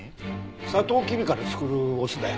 サトウキビから作るお酢だよ。